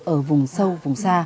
ở vùng sâu vùng xa